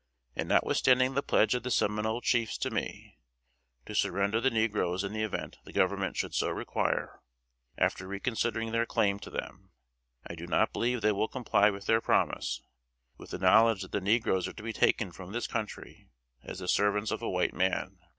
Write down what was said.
And notwithstanding the pledge of the Seminole chiefs to me, to surrender the negroes in the event the Government should so require (after reconsidering their claim to them), I do not believe they will comply with their promise, with the knowledge that the negroes are to be taken from this country as the servants of a white man.